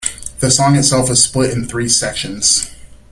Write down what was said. The song itself is split in three sections.